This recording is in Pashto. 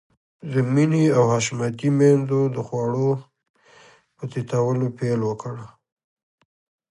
د مينې او حشمتي ميندو د خوړو په تيتولو پيل وکړ.